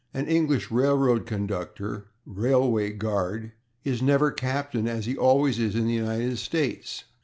An English railroad conductor (/railway guard/) is never /Captain/, as he always is in the United States.